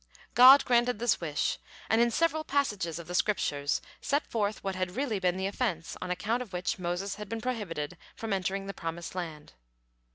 God granted this wish, and in several passages of the Scriptures set forth what had really been the offense on account of which Moses had been prohibited from entering the promised land.